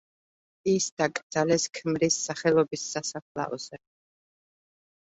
ის დაკრძალეს ქმრის სახელობის სასაფლაოზე.